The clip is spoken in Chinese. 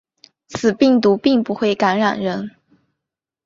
此病毒并不会感染人。